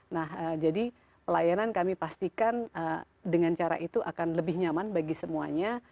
nah jadi pelayanan kami pastikan dengan cara itu akan lebih nyaman bagi semuanya